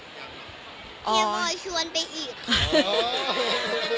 พี่ยัลบอลชวนไปอีกค่ะ